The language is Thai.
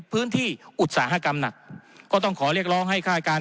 พื้นที่อุตสาหกรรมหนักก็ต้องขอเรียกร้องให้ค่ายการ